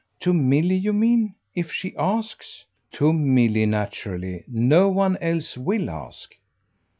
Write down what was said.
"To Milly, you mean if she asks?" "To Milly, naturally. No one else WILL ask."